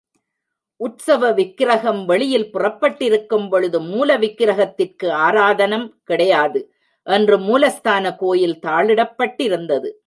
உற்சவ விக்கிரஹம் வெளியில் புறப்பட்டிருக்கும்பொழுது, மூல விக்ரஹத்திற்கு ஆராதனம் கிடையாது என்று மூலஸ்தான கோயில் தாளிடப்பட்டிருந்தது!